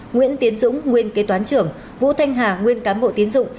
nguyễn tiến dũng nguyên kế toán trưởng vũ thanh hà nguyên cán bộ tín dụng